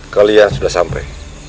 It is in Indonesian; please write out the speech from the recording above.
kalian sudah sampai